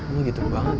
lo gitu banget